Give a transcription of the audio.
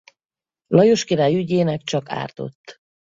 Lajos király ügyének csak ártott.